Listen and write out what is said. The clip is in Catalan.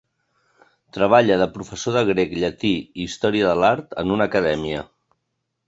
Treballa de professor de grec, llatí i història de l'art en una acadèmia.